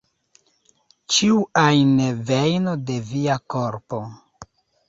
Ĉiu ajn vejno de via korpo".